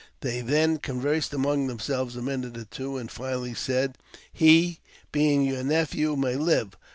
They then conversed among themselves a minute or two, and finally said, " He, being your nephew, may live.